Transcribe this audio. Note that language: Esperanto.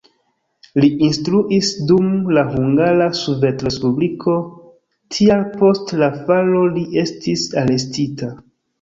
Li instruis dum la Hungara Sovetrespubliko, tial post la falo li estis arestita.